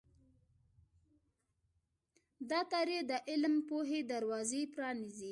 دا تاریخ د علم او پوهې دروازې پرانیزي.